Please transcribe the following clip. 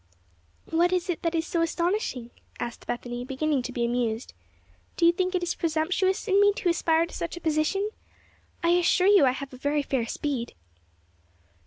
"What is it that is so astonishing?" asked Bethany, beginning to be amused. "Do you think it is presumptuous in me to aspire to such a position? I assure you I have a very fair speed."